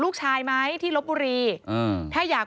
เผื่อเขายังไม่ได้งาน